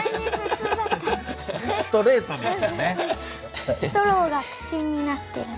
ストローが口になってる。